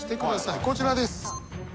こちらです。